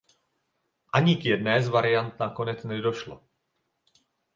Ani k jedné z variant nakonec nedošlo.